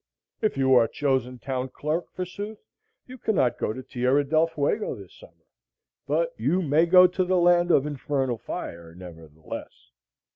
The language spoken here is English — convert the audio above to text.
If you are chosen town clerk, forsooth, you cannot go to Tierra del Fuego this summer: but you may go to the land of infernal fire nevertheless.